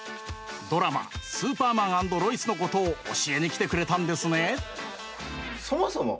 ドラマ「スーパーマン＆ロイス」のことを教えに来てくれたんですね。